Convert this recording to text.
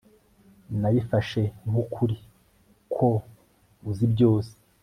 nabifashe nk'ukuri ko uzi byose